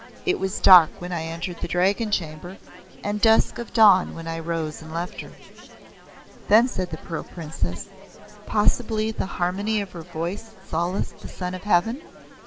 It was dark when I entered the Dragon Chamber and dusk of dawn when I rose and left her." Then said the Pearl Princess; "Possibly the harmony of her voice solaced the Son of Heaven?"